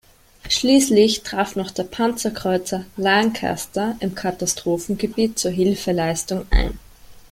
Schließlich traf noch der Panzerkreuzer "Lancaster" im Katastrophengebiet zur Hilfeleistung ein.